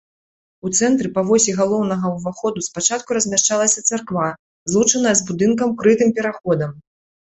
У цэнтры па восі галоўнага ўваходу спачатку размяшчалася царква, злучаная з будынкам крытым пераходам.